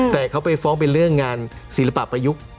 แต่เขาไปฟ้องเป็นเรื่องงานศิลปะประยุกต์